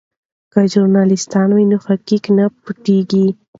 که ژورنالیست وي نو حقایق نه پټیږي.